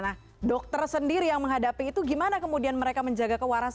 nah dokter sendiri yang menghadapi itu gimana kemudian mereka menjaga kewarasan